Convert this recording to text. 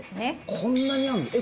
こんなにあんの？